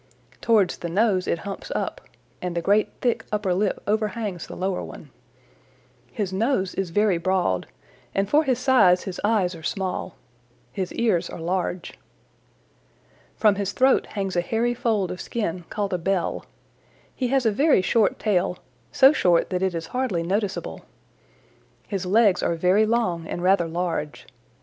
Towards the nose it humps up, and the great thick upper lip overhangs the lower one. His nose is very broad, and for his size his eyes are small. His ears are large. "From his throat hangs a hairy fold of skin called a bell. He has a very short tail, so short that it is hardly noticeable. His legs are very long and rather large.